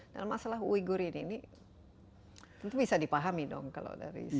dalam masalah uyghur ini ini tentu bisa dipahami dong kalau dari sisi